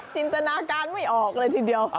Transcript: จินตนาการไม่ออกเลยทีเดียว